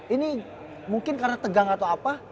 ini mungkin karena tegang atau apa